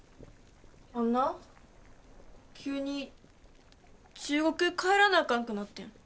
あんな急に中国帰らなあかんくなってん。